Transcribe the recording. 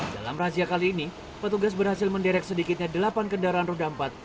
dalam razia kali ini petugas berhasil menderek sedikitnya delapan kendaraan roda empat